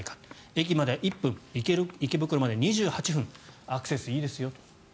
駅まで１分、池袋まで２８分アクセスいいですよと。